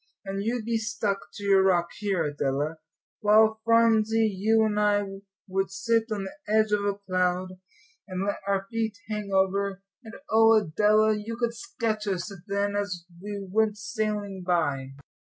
"And you'd be stuck to your rock here, Adela; while, Phronsie, you and I would sit on the edge of a cloud, and let our feet hang over; and oh, Adela, you could sketch us then as we went sailing by."